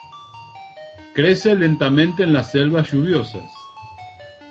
Crece lentamente en las selvas lluviosas.